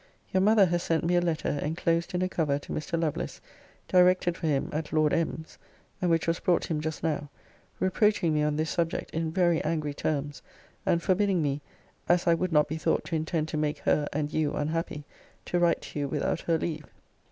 Your mother has sent me a letter enclosed in a cover to Mr. Lovelace, directed for him at Lord M.'s, (and which was brought him just now,) reproaching me on this subject in very angry terms, and forbidding me, 'as I would not be thought to intend to make her and you unhappy, to write to you without her leave.'